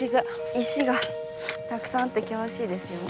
石がたくさんあって険しいですよね。